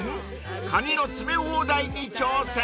カニの詰め放題に挑戦］